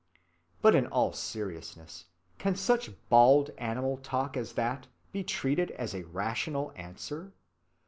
But in all seriousness, can such bald animal talk as that be treated as a rational answer?